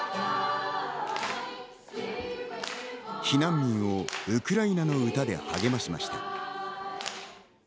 避難民をウクライナの歌で励ましました。